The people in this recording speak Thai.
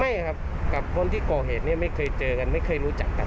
ไม่ครับกับคนที่ก่อเหตุเนี่ยไม่เคยเจอกันไม่เคยรู้จักกัน